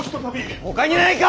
ほかにないか！